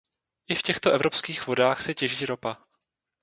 I v těchto evropských vodách se těží ropa.